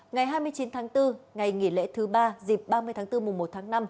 ngày hai mươi chín tháng bốn ngày nghỉ lễ thứ ba dịp ba mươi tháng bốn mùa một tháng năm